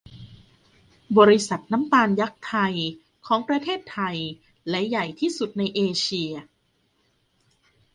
บริษัทน้ำตาลยักษ์ไทยของประเทศไทยและใหญ่ที่สุดในเอเชีย